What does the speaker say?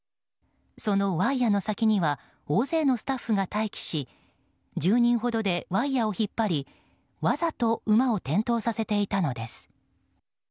そのワイヤの先には大勢のスタッフが待機し１０人ほどでワイヤを引っ張りわざと馬を転倒させていたのです。